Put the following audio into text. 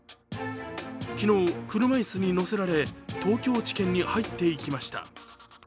昨日、車椅子に乗せられ、東京地検に入っていきました。